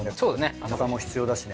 甘さも必要だしね。